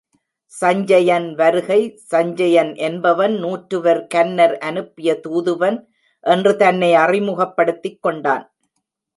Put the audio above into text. சஞ்சயன் வருகை சஞ்சயன் என்பவன் நூற்றுவர் கன்னர் அனுப்பிய தூதுவன் என்று தன்னை அறிமுகப்படுத்திக் கொண்டான்.